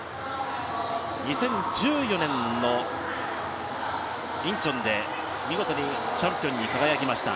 ２０１４年のインチョンで見事にチャンピオンに輝きました。